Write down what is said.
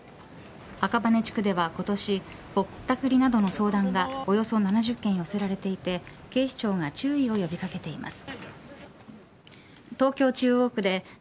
赤羽地区では今年ぼったくりなどの相談がおよそ７０件寄せられていて警視庁が注意を呼び掛けています。